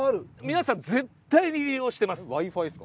皆さん絶対に利用してます。